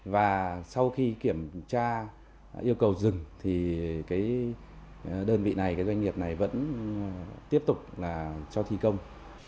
và sau khi kiểm tra yêu cầu dừng thì đơn vị này doanh nghiệp này vẫn tiếp tục cho thi công